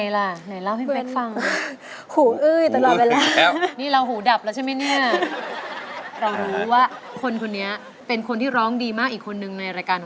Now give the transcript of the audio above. จะอยู่อีกสานเป็นร้านยาโม